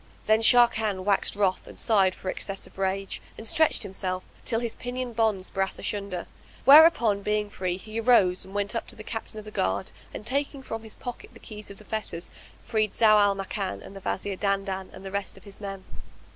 Then Sharrkan waxed wroth and sighed for excess of rage and stretched himself, till his pinion bonds brass asunder; whereupon being free he arose and went up to the Captain of the guard, and taking from his pocket the keys of the fetters, freed Zau al Makan and the Wazir Dandan and the rest of his men.